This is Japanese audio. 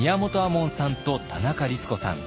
門さんと田中律子さん。